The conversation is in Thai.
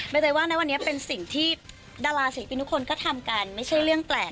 ใจว่าในวันนี้เป็นสิ่งที่ดาราศิลปินทุกคนก็ทำกันไม่ใช่เรื่องแปลก